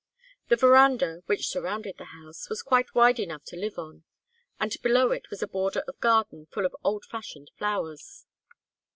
The veranda, which surrounded the house, was quite wide enough to live on, and below it was a border of garden full of old fashioned flowers.